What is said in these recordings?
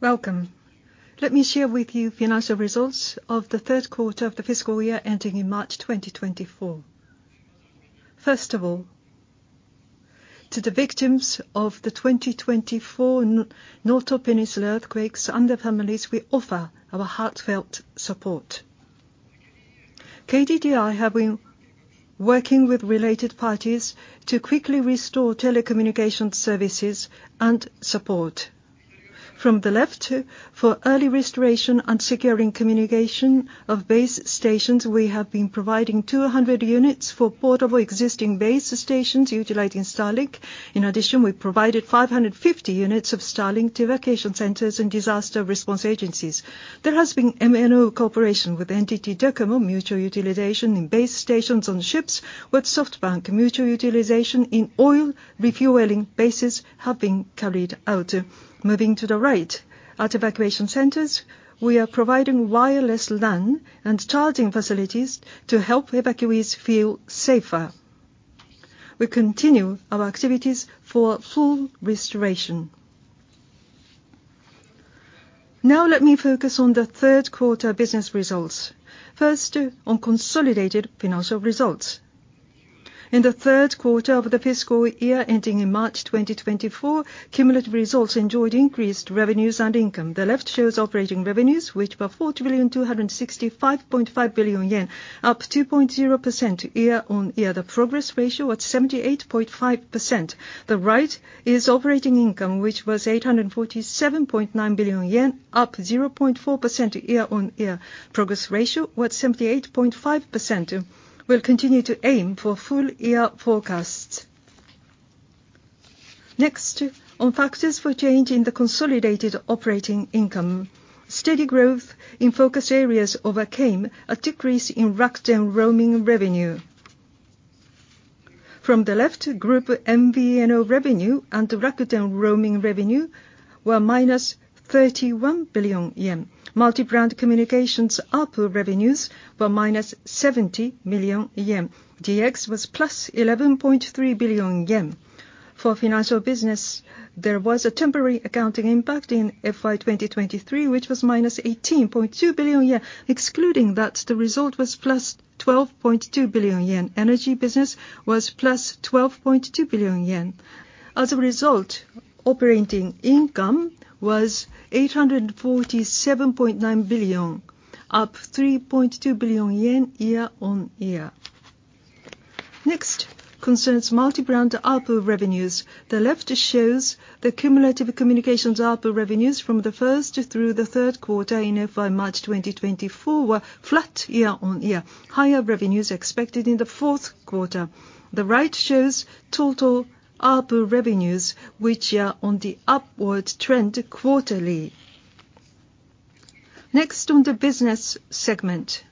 Welcome. Let me share with you financial results of the third quarter of the fiscal year ending in March 2024. First of all, to the victims of the 2024 Noto Peninsula earthquakes and their families, we offer our heartfelt support. KDDI have been working with related parties to quickly restore telecommunication services and support. From the left, for early restoration and securing communication of base stations, we have been providing 200 units for portable existing base stations utilizing Starlink. In addition, we provided 550 units of Starlink to evacuation centers and disaster response agencies. There has been MNO cooperation with NTT DOCOMO, mutual utilization in base stations on ships with SoftBank, mutual utilization in oil refueling bases have been carried out. Moving to the right. At evacuation centers, we are providing wireless LAN and charging facilities to help evacuees feel safer. We continue our activities for full restoration. Let me focus on the third quarter business results. First, on consolidated financial results. In the third quarter of the fiscal year ending in March 2024, cumulative results enjoyed increased revenues and income. The left shows operating revenues, which were 4 trillion, 265.5 billion, up 2.0% year-on-year. The progress ratio was 78.5%. The right is operating income, which was 847.9 billion yen, up 0.4% year-on-year. Progress ratio was 78.5%, we'll continue to aim for full year forecasts. On factors for change in the consolidated operating income. Steady growth in focus areas overcame a decrease in Rakuten roaming revenue. From the left, Group MVNO revenue and Rakuten roaming revenue were minus 31 billion yen. Multi-brand communications ARPU revenues were minus 70 million yen. DX was plus 11.3 billion yen. For financial business, there was a temporary accounting impact in FY 2023, which was minus 18.2 billion yen. Excluding that, the result was plus 12.2 billion yen. Energy business was plus 12.2 billion yen. As a result, operating income was 847.9 billion, up 3.2 billion yen year-on-year. Concerns multi-brand ARPU revenues. The left shows the cumulative communications ARPU revenues from the first through the third quarter in FY March 2024 were flat year-on-year. Higher revenues expected in the fourth quarter. The right shows total ARPU revenues, which are on the upward trend quarterly. On the business segment.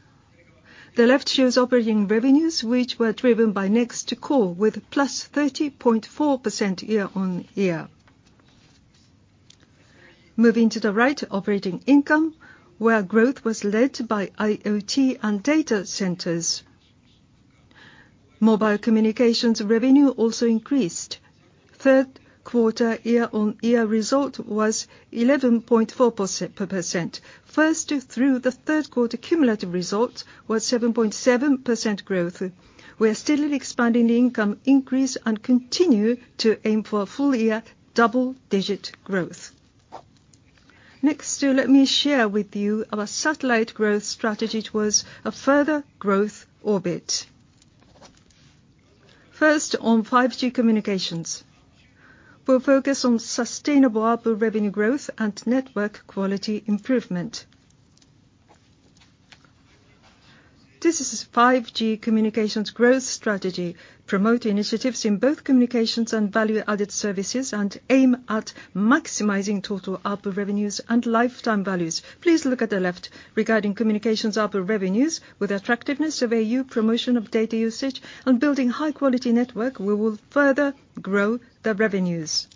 The left shows operating revenues, which were driven by NEXT Core with plus 30.4% year-on-year. Moving to the right, operating income, where growth was led by IoT and data centers. Mobile communications revenue also increased. Third quarter year-on-year result was 11.4%. First through the third quarter cumulative results was 7.7% growth. We are steadily expanding the income increase and continue to aim for a full year double-digit growth. Let me share with you our Satellite Growth Strategy towards a further growth orbit. First, on 5G communications. We'll focus on sustainable ARPU revenue growth and network quality improvement. This is 5G communications growth strategy. Promote initiatives in both communications and value-added services, aim at maximizing total ARPU revenues and lifetime values. Please look at the left. Regarding communications ARPU revenues, with attractiveness of au, promotion of data usage, and building high quality network, we will further grow the revenues.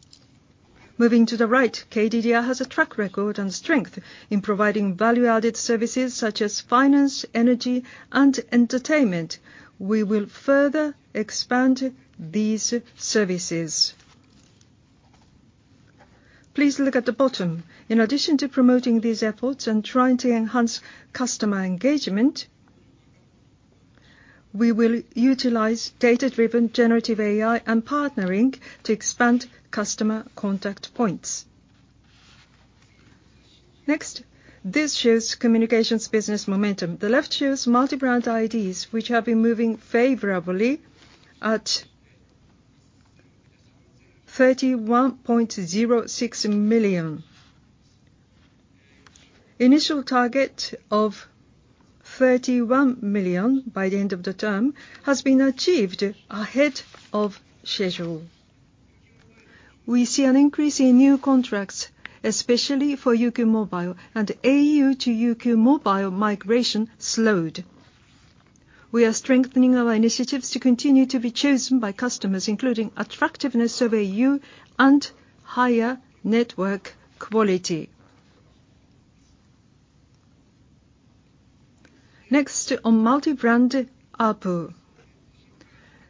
Moving to the right, KDDI has a track record and strength in providing value-added services such as finance, energy, and entertainment. We will further expand these services. Please look at the bottom. In addition to promoting these efforts and trying to enhance customer engagement, we will utilize data-driven generative AI and partnering to expand customer contact points. This shows communications business momentum. The left shows multi-brand IDs, which have been moving favorably at 31.06 million. Initial target of 31 million by the end of the term has been achieved ahead of schedule. We see an increase in new contracts, especially for UQ mobile and au to UQ mobile migration slowed. We are strengthening our initiatives to continue to be chosen by customers, including attractiveness of au and higher network quality. Next on multi-brand ARPU.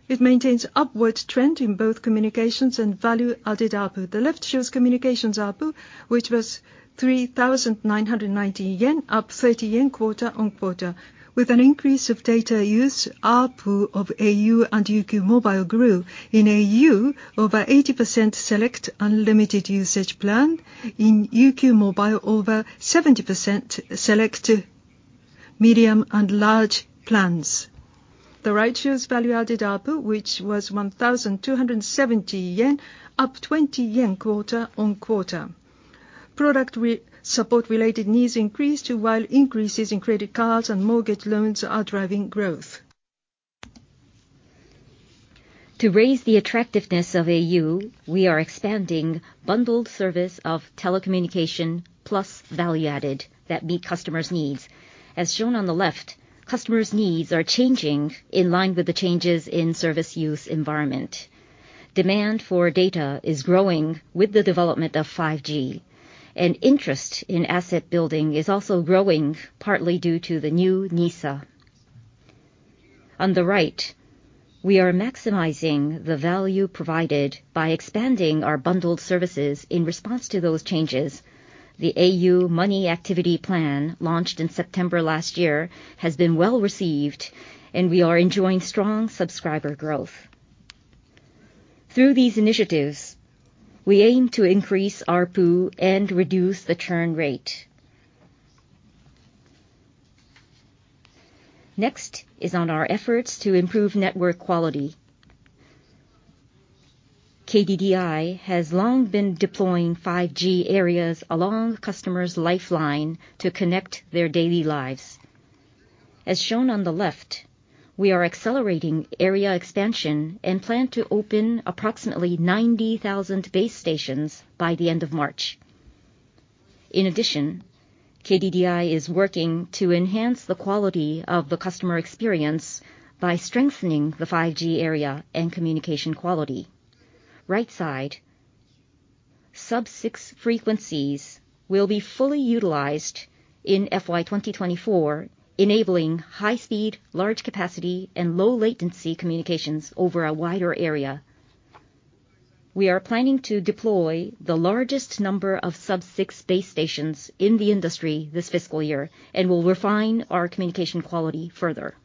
It maintains upward trend in both communications and value-added ARPU. The left shows communications ARPU, which was 3,990 yen, up 30 yen quarter-on-quarter. With an increase of data use, ARPU of au and UQ mobile grew. In au, over 80% select unlimited usage plan. In UQ mobile, over 70% select medium and large plans. The right shows value-added ARPU, which was 1,270 yen, up 20 yen quarter-on-quarter. Product support related needs increased, while increases in credit cards and mortgage loans are driving growth. To raise the attractiveness of au, we are expanding bundled service of telecommunication plus value-added that meet customers' needs. As shown on the left, customers' needs are changing in line with the changes in service use environment. Demand for data is growing with the development of 5G, and interest in asset building is also growing, partly due to the new NISA. On the right, we are maximizing the value provided by expanding our bundled services in response to those changes. The au Money Activity Plan, launched in September last year, has been well-received, and we are enjoying strong subscriber growth. Through these initiatives, we aim to increase ARPU and reduce the churn rate. Next is on our efforts to improve network quality. KDDI has long been deploying 5G areas along customers' lifeline to connect their daily lives. As shown on the left, we are accelerating area expansion and plan to open approximately 90,000 base stations by the end of March. In addition, KDDI is working to enhance the quality of the customer experience by strengthening the 5G area and communication quality. Right side. Sub-6 frequencies will be fully utilized in FY 2024, enabling high speed, large capacity, and low latency communications over a wider area. We are planning to deploy the largest number of Sub-6 base stations in the industry this fiscal year and will refine our communication quality further.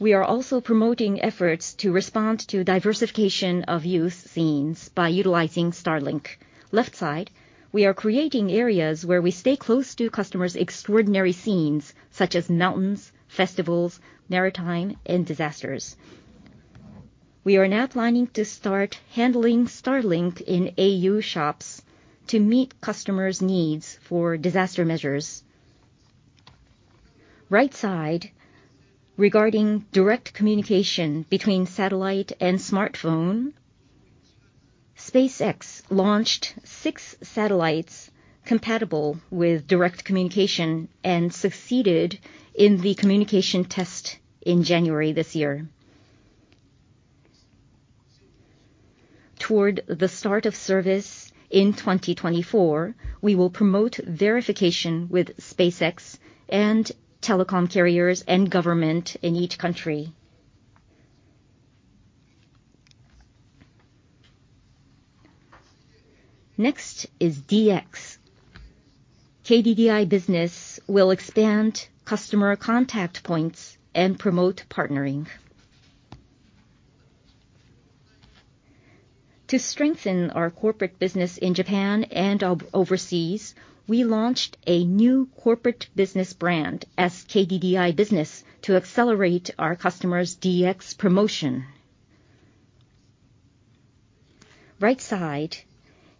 We are also promoting efforts to respond to diversification of use scenes by utilizing Starlink. Left side. We are creating areas where we stay close to customers' extraordinary scenes such as mountains, festivals, maritime and disasters. We are now planning to start handling Starlink in au shops to meet customers' needs for disaster measures. Right side. Regarding direct communication between satellite and smartphone, SpaceX launched six satellites compatible with direct communication and succeeded in the communication test in January this year. Toward the start of service in 2024, we will promote verification with SpaceX and telecom carriers and government in each country. Next is DX. KDDI BUSINESS will expand customer contact points and promote partnering. To strengthen our corporate business in Japan and overseas, we launched a new corporate business brand as KDDI BUSINESS to accelerate our customers' DX promotion. Right side.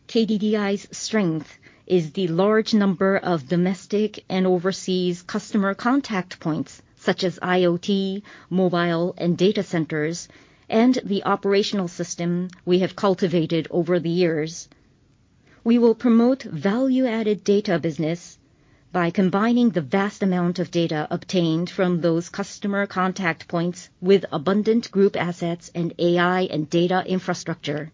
KDDI's strength is the large number of domestic and overseas customer contact points, such as IoT, mobile, and data centers, and the operational system we have cultivated over the years. We will promote value-added data business by combining the vast amount of data obtained from those customer contact points with abundant group assets and AI and data infrastructure.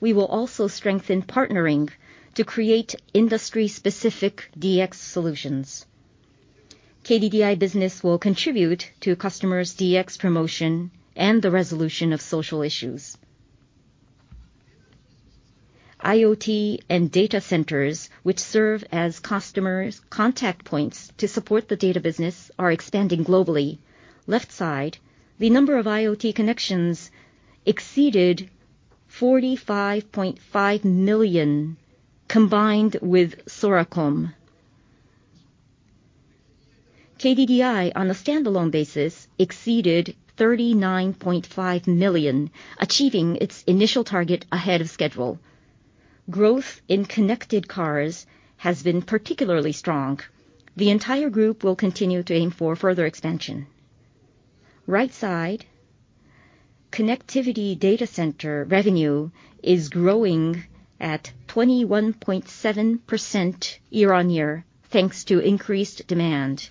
We will also strengthen partnering to create industry-specific DX solutions. KDDI BUSINESS will contribute to customers' DX promotion and the resolution of social issues. IoT and data centers, which serve as customers' contact points to support the data business, are expanding globally. Left side. The number of IoT connections exceeded 45.5 million combined with Soracom. KDDI, on a standalone basis, exceeded 39.5 million, achieving its initial target ahead of schedule. Growth in connected cars has been particularly strong. The entire group will continue to aim for further expansion. Right side. Connectivity data center revenue is growing at 21.7% year-over-year, thanks to increased demand.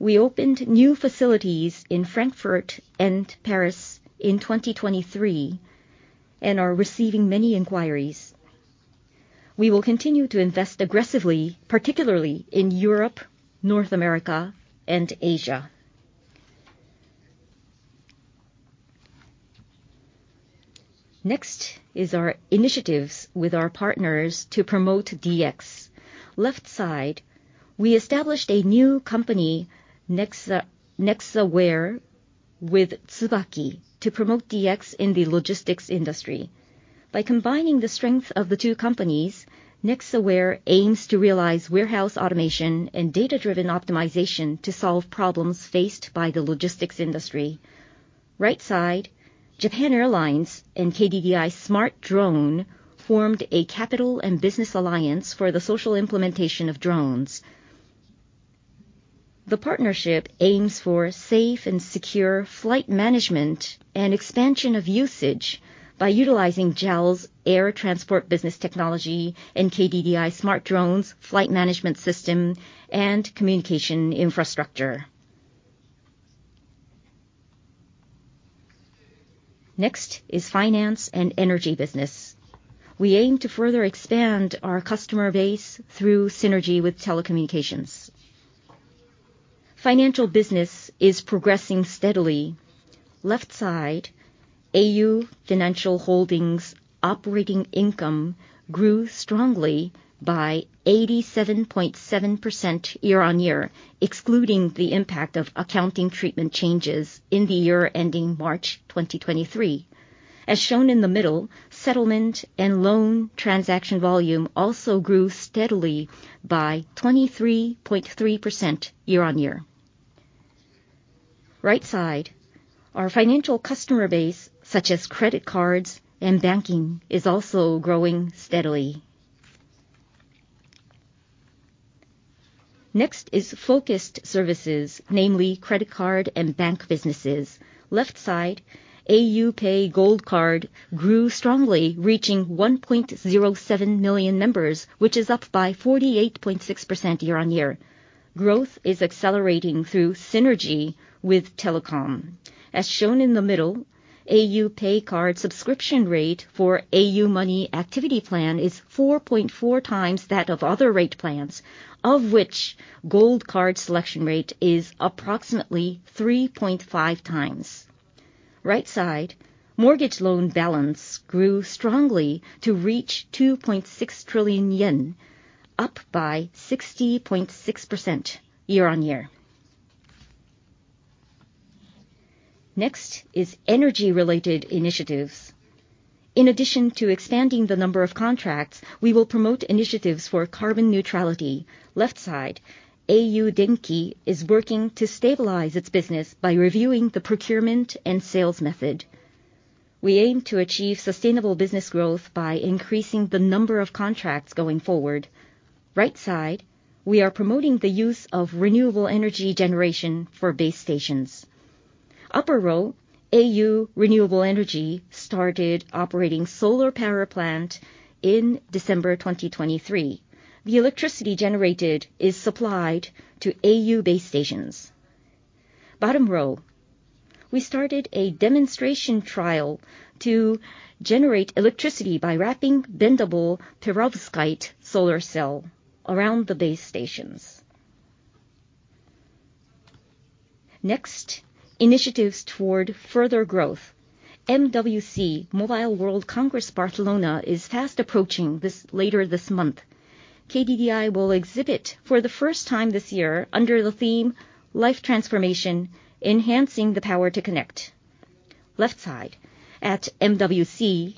We opened new facilities in Frankfurt and Paris in 2023 and are receiving many inquiries. We will continue to invest aggressively, particularly in Europe, North America, and Asia. Next is our initiatives with our partners to promote DX. Left side, we established a new company, Nexa Ware, with Tsubakimoto Chain to promote DX in the logistics industry. By combining the strength of the two companies, Nexa Ware aims to realize warehouse automation and data-driven optimization to solve problems faced by the logistics industry. Right side, Japan Airlines and KDDI SmartDrone formed a capital and business alliance for the social implementation of drones. The partnership aims for safe and secure flight management and expansion of usage by utilizing JAL's air transport business technology and KDDI SmartDrone's flight management system and communication infrastructure. Next is finance and energy business. We aim to further expand our customer base through synergy with telecommunications. Financial business is progressing steadily. Left side, au Financial Holdings operating income grew strongly by 87.7% year-over-year, excluding the impact of accounting treatment changes in the year ending March 2023. As shown in the middle, settlement and loan transaction volume also grew steadily by 23.3% year-over-year. Right side, our financial customer base, such as credit cards and banking, is also growing steadily. Next is focused services, namely credit card and bank businesses. Left side, au PAY Gold Card grew strongly, reaching 1.07 million members, which is up by 48.6% year-over-year. Growth is accelerating through synergy with telecom. As shown in the middle, au PAY card subscription rate for au Money Activity Plan is 4.4 times that of other rate plans, of which Gold Card selection rate is approximately 3.5 times. Right side, mortgage loan balance grew strongly to reach 2.6 trillion yen, up by 60.6% year-over-year. Next is energy related initiatives. In addition to expanding the number of contracts, we will promote initiatives for carbon neutrality. Left side, au Denki is working to stabilize its business by reviewing the procurement and sales method. We aim to achieve sustainable business growth by increasing the number of contracts going forward. Right side, we are promoting the use of renewable energy generation for base stations. Upper row, au Renewable Energy started operating solar power plant in December 2023. The electricity generated is supplied to au base stations. Bottom row, we started a demonstration trial to generate electricity by wrapping bendable perovskite solar cell around the base stations. Initiatives toward further growth. MWC, Mobile World Congress Barcelona, is fast approaching later this month. KDDI will exhibit for the first time this year under the theme Life Transformation: Enhancing the Power to Connect. Left side, at MWC,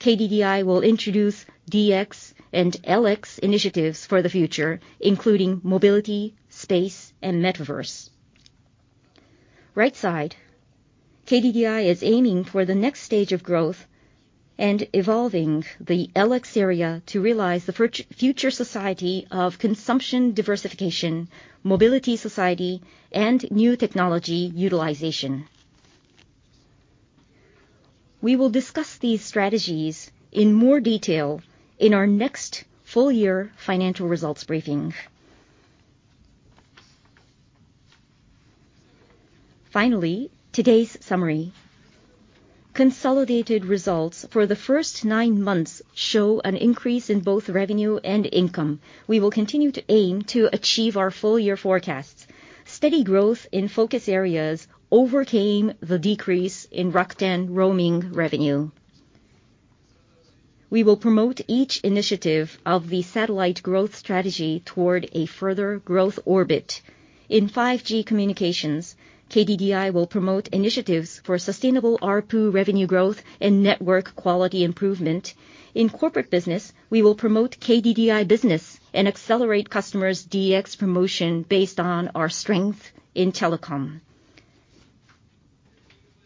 KDDI will introduce DX and LX initiatives for the future, including mobility, space, and metaverse. Right side, KDDI is aiming for the next stage of growth and evolving the LX area to realize the future society of consumption diversification, mobility society, and new technology utilization. We will discuss these strategies in more detail in our next full year financial results briefing. Today's summary. Consolidated results for the first nine months show an increase in both revenue and income. We will continue to aim to achieve our full year forecasts. Steady growth in focus areas overcame the decrease in Rakuten roaming revenue. We will promote each initiative of the Satellite Growth Strategy toward a further growth orbit. In 5G communications, KDDI will promote initiatives for sustainable ARPU revenue growth and network quality improvement. In corporate business, we will promote KDDI BUSINESS and accelerate customers' DX promotion based on our strength in telecom.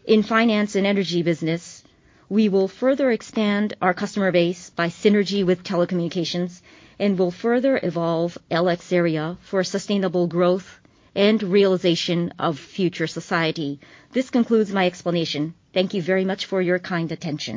In finance and energy business, we will further expand our customer base by synergy with telecommunications and will further evolve LX area for sustainable growth and realization of future society. This concludes my explanation. Thank you very much for your kind attention.